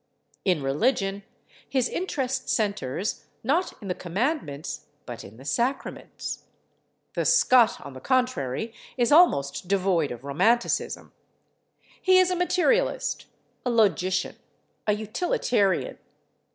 In religion his interest centers, not in the commandments, but in the sacraments. The Scot, on the contrary, is almost devoid of romanticism. He is a materialist, a logician, a utilitarian.